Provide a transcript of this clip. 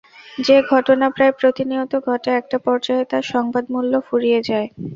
যে ঘটনা প্রায় প্রতিনিয়ত ঘটে, একটা পর্যায়ে তার সংবাদমূল্য ফুরিয়ে যায়।